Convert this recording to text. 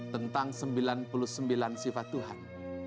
tentang sembilan puluh sembilan sifat tuhan